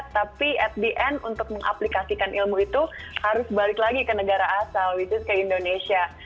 tapi at the end untuk mengaplikasikan ilmu itu harus balik lagi ke negara asal which is ke indonesia